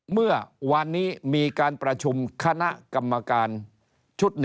เมื่อวานนี้มีการประชุมคณะกรรมการชุด๑